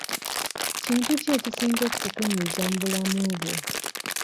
Kintu ki ekisinga okukunyiiza mu bulamu bwo?